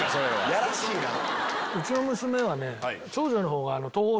やらしいなぁ。